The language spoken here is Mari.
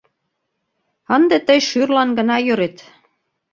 — Ынде тый шӱрлан гына йӧрет!